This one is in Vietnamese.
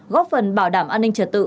góp phần bảo đảm an ninh trật tự